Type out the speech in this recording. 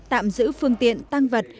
tạm giữ phương tiện tăng vật